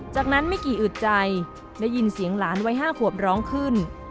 จากนั้นไม่กี่อึดใจได้ยินเสียงหลานวัย๕ขวบร้องขึ้น